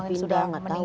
mbak dia sudah meninggal